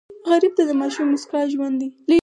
غریب ته د ماشوم موسکا ژوند دی